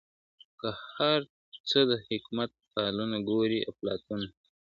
که هر څه د حکمت فالونه ګورې افلاطونه! !.